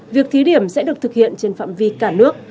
việc thí điểm sẽ được thực hiện trên phạm vi cả nước